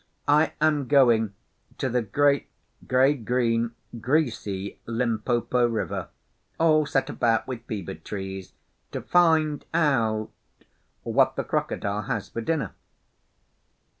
I am going to the great grey green, greasy Limpopo River, all set about with fever trees, to find out what the Crocodile has for dinner.